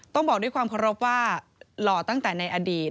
ต้องบอกด้วยความเคารพว่าหล่อตั้งแต่ในอดีต